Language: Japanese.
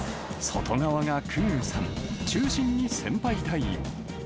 外側が久々宇さん、中心に先輩隊員。